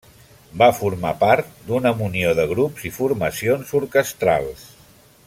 Va formar part d'una munió de grups i formacions orquestrals.